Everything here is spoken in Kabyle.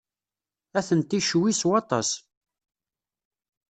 Atenti ccwi s waṭas.